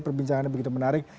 perbincangan begitu menarik